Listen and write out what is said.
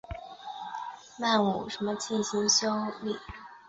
曼谷地铁紫线项目已分工为两期进行修建。